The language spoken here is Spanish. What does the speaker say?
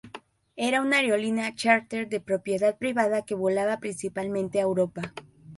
Era una aerolínea chárter de propiedad privada que volaba principalmente a Europa.